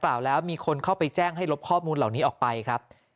แล้วมีคนเข้าไปแจ้งให้ลบข้อมูลเหล่านี้ออกไปครับ